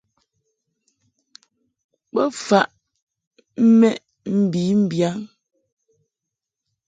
Bo faʼ mɛʼ mbi mbiyaŋ.